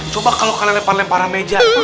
coba kalo kalian lepar lemparan meja